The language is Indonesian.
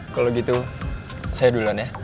kalau gitu saya duluan ya